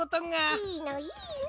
いいのいいの。